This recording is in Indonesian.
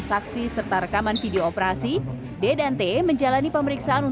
saya terfiur dengan handuk murah dan gambarnya bagus